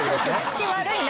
口悪いな。